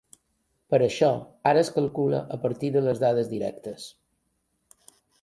Per això, ara es calcula a partir de les dades directes.